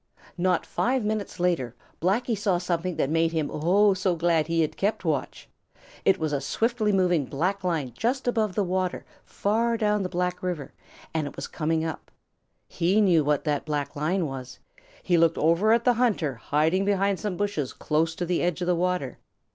Not five minutes later Blacky saw something that made him, oh, so glad he had kept watch. It was a swiftly moving black line just above the water far down the Big River, and it was coming up. He knew what that black line was. He looked over at the hunter hiding behind some bushes close to the edge of the water.